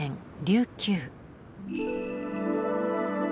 琉球。